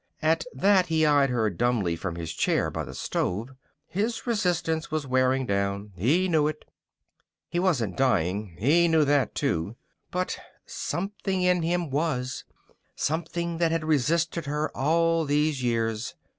At that he eyed her dumbly from his chair by the stove. His resistance was wearing down. He knew it. He wasn't dying. He knew that, too. But something in him was. Something that had resisted her all these years.